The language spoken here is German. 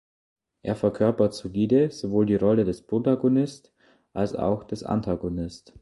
Er verkörpert solide sowohl die Rolle des Protagonist als auch des Antagonist.